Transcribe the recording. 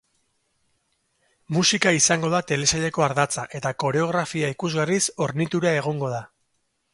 Musika izango da telesaileko ardatza eta koreografia ikusgarriz hornitura egongo da.